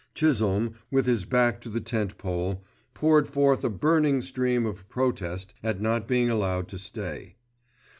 Chisholme, with his back to the tent pole, poured forth a burning stream of protest at not being allowed to stay.